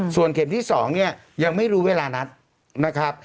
ส่วนเข็มที่๒เนี่ยยังไม่รู้เวลานัดนะครับ